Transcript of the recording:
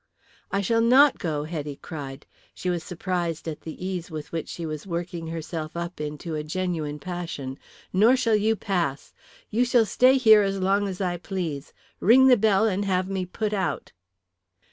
"I shall not go," Hetty cried. She was surprised at the ease with which she was working herself up into a genuine passion. "Nor shall you pass. You shall stay here as long as I please. Ring the bell and have me put out."